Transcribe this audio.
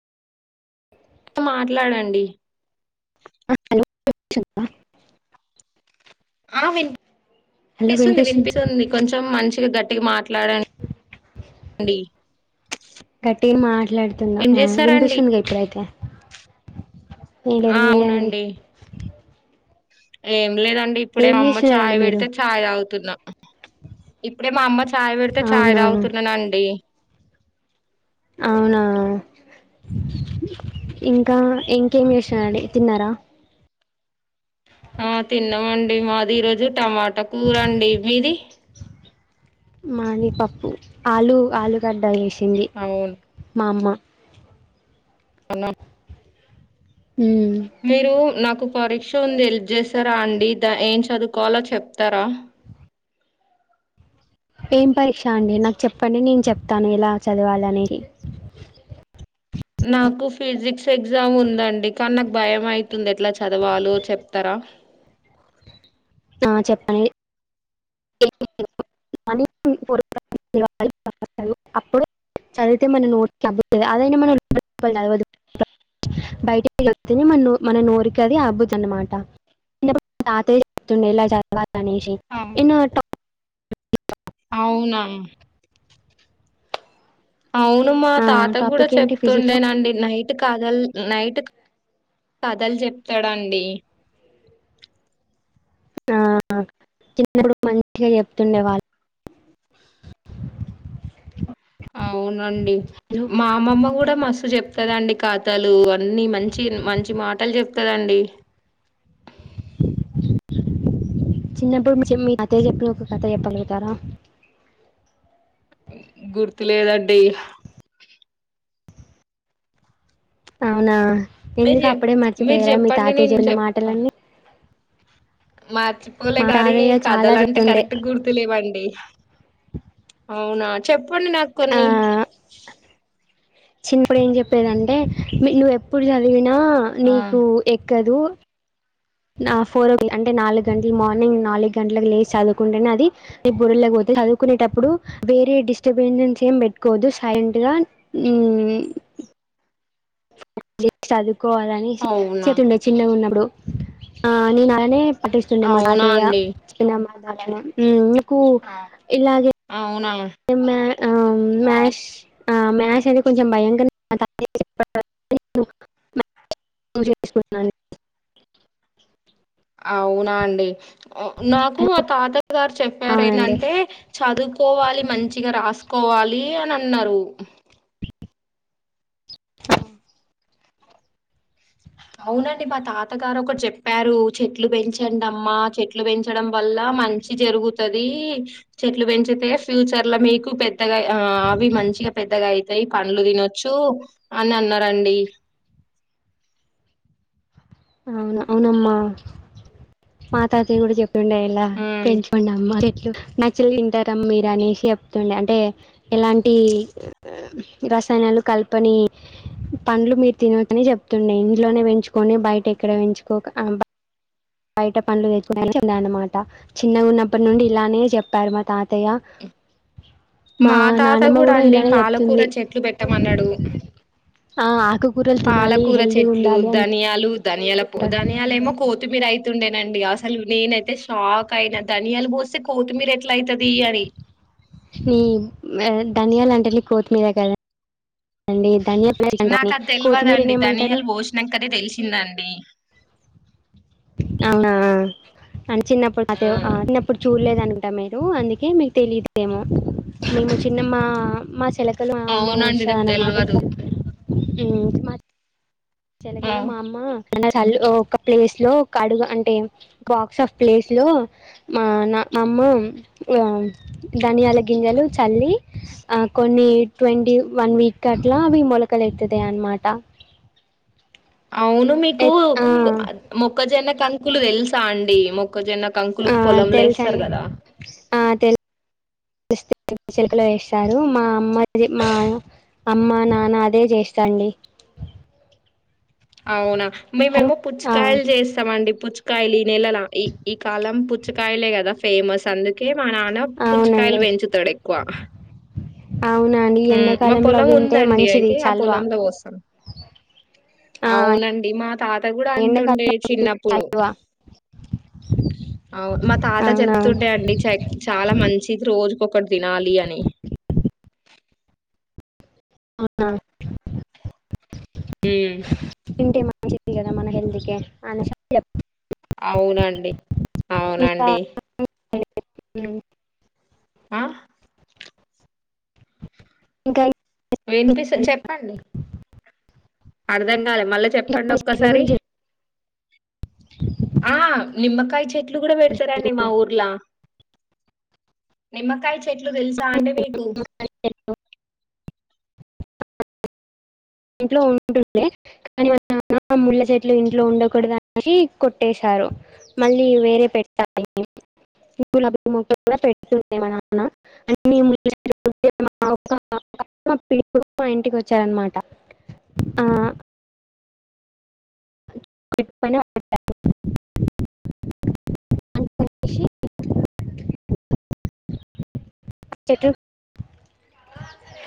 మాట్లాడండి [unintelligible] ఆ విన్ వినిపిస్తుంది వినిపిస్తుంది కొంచెం మంచిగా గట్టి మా గట్టిగ్ మాట్లాడుతున్న ఏం ఆ చేస్తారండి వినిపిస్తుందిగ ఇప్పుడైతే ఏం ఆ లేదు మీరండి. అవునండి ఏం లేదన్ అండి ఇప్పుడే ఏం మా అమ్మ చేస్తున్నారండి చాయ్ మీరు పెడితే చాయ్ తాగుతున్నా ఇప్పుడే మా అమ్మ చాయ్ పెడితే చాయ్ అవునా తాగుతున్ననండి. అవునా ఇంకా ఇం కేం చేస్తున్నారండి తిన్నారా ఆ తిన్నామండి మాది ఈ రోజు టమాటా కూరండి మీది మాని పప్పు ఆలూ ఆలుగడ్డ ఏసి చ్చింది అవును మా అమ్మ అన్న ఉమ్ మీరూ నాకు నాకు పరీక్ష ఉంది ఎల్ప్ చేస్తారా అండి. ద ఏం చదువుకోవాలో చెప్తారా ఏం పరీక్ష అండి నాకు చెప్పండి నేను చెప్తాను ఎలా చదవాలనేది. నాకు ఫిజిక్స్ ఎగ్జామ్ ఉందండి కాన్ నాకు భయం అయ్తుంది. ఎట్లా చదవాలో చెప్తరా ఆ చెప్పండి [unintelligible] బయట మన మన నోరుకి అది అబుద్ది అనమాట చిన్నప్పుడు తాతయ్య చెప్తుండే ఇలా చదవాలి ఇన్న టౌన్ అవునా అవును మా తాత కూడా టాపిక్ ఏంటి ఫిజిక్స్ లో చెప్తుండేనండి నైట్ కదల్ నైట్ కథలు జెప్తడండి ఆ చిన్నప్పుడు మంచిగా చెప్తుండే వాళ్ళు అవునండి మా అమ్మమ్మ కూడా మస్ చెప్తదండి కథలు అన్ని మంచి మంచి మాటలు చెప్తదండి చిన్నప్పుడు మీ చె మీ తాతయ్య చెప్పే ఒక కథ చెప్పలుగుతారా? ఉమ్ గుర్తులేదండి అవునా మీరు ఎందుకు చెప్ అప్పుడే మీరు మర్చిపోయారా మీ చెప్పండి తాతయ్య నేను చెప్పిన మాటలన్నీ మార్చిపోలే మా గాని తాతయ్య చాలా కథలంటే చెప్తుండే కరెక్ట్ గా గుర్తు లేవండి అవునా చెప్పండి నాకు ఆ, కొన్ని చిన్నప్పుడు ఏం చెప్పేదంటే మీ నువ్ ఎప్పుడు చదివిన్ నా ఆ నీకు ఎక్ కదూ నా ఫోర్ ఓ అంటే నాలుగు గంటలు మార్నింగ్ నాలుగు గంటలకు లేస్ చదువుకుంటేనే అది బురలో ఒతది చదువుకునేటప్పుడు వేరే డిస్టర్బెన్స్స్ ఏం పెట్టుకోవద్దు సైలెంట్గా ఊమ్ పాన్ జేసి చదుకో కోవాలనేషి అవునా చతుండే చిన్నగున్నప్పుడు ఆ నేను అనే పట్టిస్తుండే మా అవునా తాతయ్య అండి చిన్నమ్మ హ్మ్ కు ఆ ఇలాగే అవునా ఉమ్ ఆ మ్యాష్ ఆ మ్యాష్ అనే కొంచెం భయంకను [inaudible] అవునా అండి నాకు ఆ తాత గారు చెప్పారు అవునండి ఎందంటే చదువుకోవాలి మంచిగా రాస్ కోవాలి అని అన్నారు హ అవునండి మా తాతగారు ఒకటి చెప్పారు చెట్లు పెంచండమ్మా చెట్లు పెంచడం వల్ల మంచి జరుగుతది చెట్లు పెంచితే ఫ్యూచర్ లో మీకు పెద్దగా అవి మంచిగా పెద్దగా అయితాయి పండ్లు తినొచ్చు అని అన్నరండి అవును అవునమ్మా మా తాతయ్య కూడా చెప్ వుండేలా ఉమ్. పెంచకొండమ్మా చే న్యాచురల్ తింటారా మీరు అనేసి చెప్తుండే అంటే ఎలాంటి రసాయనాలు కలపని పండ్లు మీరు తినకని చెప్తుండే ఇంట్లోనే పెంచుకొని బయట ఎక్కడ పెంచుకోక ఆ బయట పనులు [unintelligible] అనమాట చిన్న ఉన్నప్పటి నుండి ఇలానే చెప్పారు మా తాతయ్య మా తాత నానమ్మ కూడా అండి ఇలానే పాలకూర చెప్తుంది చెట్లు పెట్టమన్నడు కూరలు తినాలి హెల్తీగా ఉండాలి అని లు దానియల పో దానియాలేమో కోతుమీర అయి తుండేనండి అసలు నేను అయితే షాక్ అయిన ధనియాలు పోస్తే కోత్తిమీర ఎట్ హ్మ్ మ్యాన్ ధనియాల అంటే కోతిమీద కదండి నాకు ధనియాలు అది కొత్తిమీరని తెలివదండి ఏమంటారు ధనియాలు భోషణంకనే తెలిసిందండి అవునా అ చిన్నప్పుడు ఆ అతే చిన్నప్పుడు చూడలేదు అను టమాటో అందుకే మీకు తెలియదేమో మేము చిన్నమ్మ మా చెలకలు మా అమ్మ అవునండి పోస్తది నాకు అనే మాదిరి తెల్వదు [unintelligible] హ్మ్ మాది ఆ చెలకలు మా అమ్మ అల చల్ ఒక ప్లేస్ లో ఒక అడుగు అంటే బక్స్ ఆఫ్ ప్లేస్ లో మా నా మా అమ్మ ధనియాల గింజలు చల్లి కొన్ని ట్వంటి వన్ వీక్ కాట్లా అవి మొలకలు ఎత్తుతాయ్ అనమాటా అవును మీకు మొక్కజొన్న కం ముక్కులు తెలుసా అండి ము ఆ తెలుసండి ఆ తెల్ [unintelligible] చిలుకలు వేస్తారు మా అమ్మ ఎ మా యన మా అమ్మ నాన్న అదే చేస్తండి. అవునా మేమేమో పుచ్చకాయలు చేస్తామండి పుచ్చు కాయలు ఈ నెలలా ఈ ఈ కాలం పుచ్చకాయలే కదా ఫేమస్ అందుకే మా నాన్న అవునండి పుచ్చకాయలు వెంచుతాడు ఎక్కువ అవునా అండి మ్మ్ మా ఎండాకాలంలో పొలం వింటే ఉందండి మంచిది అయితే ఆ చల్వా పొలంలో కోస్సాం ఆ అవునండి, మా తా త కూడా అంటుండే ఎండాకాలంలో చిన్నప్పుడు చల్వా అవ్ మా తాత అవునా చెప్తుండే అండి చ చాలా మంచిది రోజు. ఒక్కటి దినాలి అని అవునా హ్మ్ తింటే మంచిది కదా మన హెల్త్ కే అనేసి అన్ చెప్ అవునండి అవునండి [unintelligible] మ్మ్ ఆ ఇంకై వినిపిస్తుంది చెప్పండి అర్దం నరాలె మళ్ళీ ఇంకా చెప్పండి కొన్ని చెట్ల ఒక్కసారి గురించి రావి చె ట్లు కూడా బెడతారాండి మా తెలుసా మీకు? ఊర్లా నిమ్మకాయ చ్ తెట్లు తెలుసా అండి మీకు ఇంట్లో ఉంటుండే కానీ [unintelligible] నాన్న ముళ్ళ చెట్లు ఇంట్లో ఉండకూడద అని కొట్టేశారు మళ్ళీ వేరే పెట్టాలి [unintelligible] మా ఇంటికి వచ్చారనమాట. ఆ [inaudible] చెట్లు